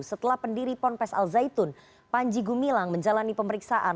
setelah pendiri ponpes al zaitun panji gumilang menjalani pemeriksaan